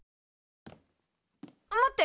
待って。